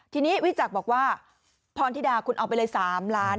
ทีนี้วิจักรบอกว่าพรธิดาคุณเอาไปเลย๓ล้าน